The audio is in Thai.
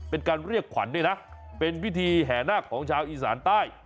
เป็นการเรียกขวัญด้วยนะเป็นพิธีแห่นาคของชาวอีสานใต้